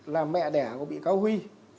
là mẹ đẻ của bị cáo huy